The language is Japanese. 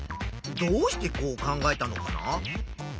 どうしてこう考えたのかな？